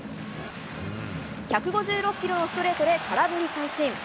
１５６キロのストレートで空振り三振。